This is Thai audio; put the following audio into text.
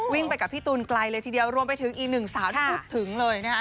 ไปกับพี่ตูนไกลเลยทีเดียวรวมไปถึงอีกหนึ่งสาวที่พูดถึงเลยนะคะ